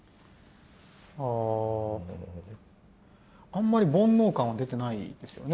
あんまり煩悩感は出てないですよね。